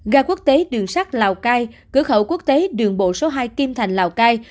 ga quốc tế đường sắt lào cai cửa khẩu quốc tế đường bộ số hai kim thành lào cai